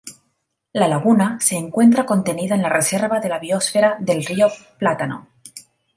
La laguna se encuentra contenida en la reserva de la biósfera del Río Plátano.